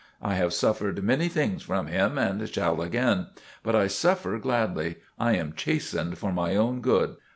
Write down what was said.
I have suffered many things from him, and shall again. But I suffer gladly. I am chastened for my own good.